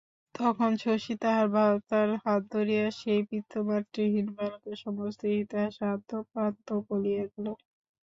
তখন শশী তাহার ভ্রাতার হাত ধরিয়া সেই পিতৃমাতৃহীন বালকের সমস্ত ইতিহাস অদ্যোপান্ত বলিয়া গেল।